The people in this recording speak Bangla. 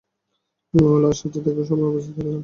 ঐ মহিলা আর সাজ্জাদ একই সময়ে উপস্থিত ছিল।